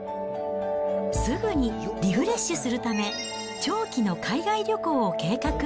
すぐにリフレッシュするため、長期の海外旅行を計画。